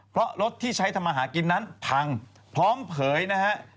เพราะรถที่ใช้ทำมาหากินนั้นพังพร้อมเผยนะฮะ